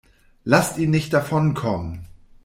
Lasst ihn nicht davonkommen!